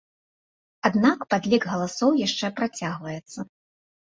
Аднак падлік галасоў яшчэ працягваецца.